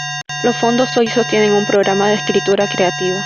Los fondos hoy sostienen un programa de escritura creativa.